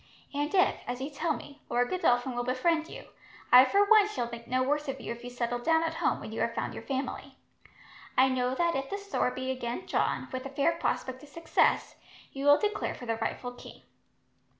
And if, as you tell me, Lord Godolphin will befriend you, I for one shall think no worse of you if you settle down at home when you have found your family. I know that if the sword should be again drawn, with a fair prospect of success, you will declare for the rightful king."